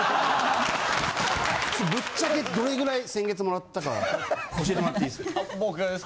ぶっちゃけどれぐらい先月貰ったか教えてもらっていいです？